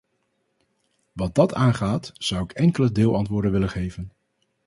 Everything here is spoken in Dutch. Wat dat aangaat zou ik enkele deelantwoorden willen geven.